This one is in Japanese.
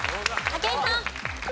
武井さん。